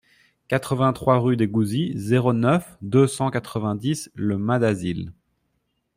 quatre-vingt-trois rue des Gouzis, zéro neuf, deux cent quatre-vingt-dix Le Mas-d'Azil